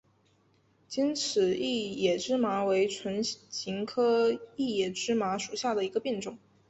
尖齿异野芝麻为唇形科异野芝麻属下的一个变种。